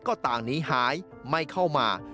ก็ต่างหนีหายไม่เข้ามา